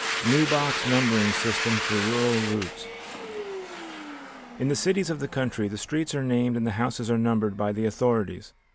New Box Numbering System for Rural Routes In the cities of the country the streets are named and the houses are numbered by the authorities.